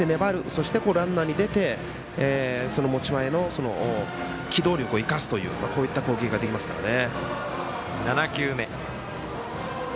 そしてランナーに出てその持ち前の機動力を生かすという、こういった攻撃ができますのでね。